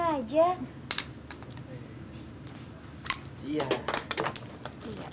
kamu bikin aku tambah pusing aja